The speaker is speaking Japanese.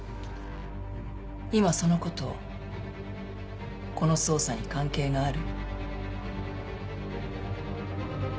今そのことこの捜査に関係がある？